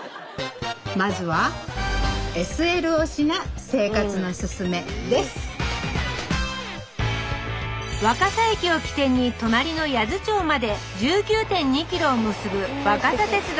まずは若桜駅を起点に隣の八頭町まで１９．２キロを結ぶ若桜鉄道。